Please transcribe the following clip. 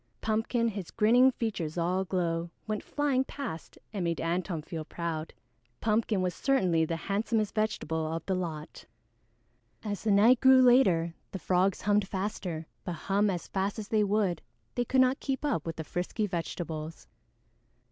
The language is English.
Pumpkin, his grinning features all aglow, went flying past and made Antone feel proud. Pumpkin was certainly the handsomest vegetable of the lot. As the night grew later, the frogs hummed faster, but hum as fast as they would, they could not keep up with the frisky vegetables.